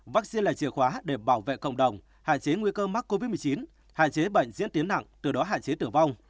vaccine là chìa khóa để bảo vệ cộng đồng hạn chế nguy cơ mắc covid một mươi chín hạn chế bệnh diễn tiến nặng từ đó hạn chế tử vong